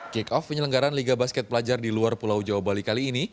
kick off penyelenggaran liga basket pelajar di luar pulau jawa bali kali ini